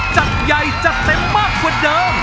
จัดใหญ่จัดเต็มมากกว่าเดิม